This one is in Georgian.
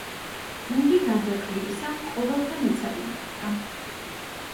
გუნდი გარდა კვირისა, ყოველდღე მეცადინეობდა.